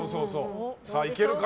いけるか？